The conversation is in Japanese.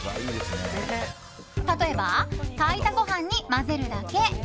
例えば、炊いたご飯に混ぜるだけ。